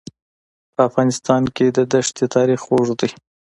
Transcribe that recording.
په افغانستان کې د دښتې تاریخ اوږد دی.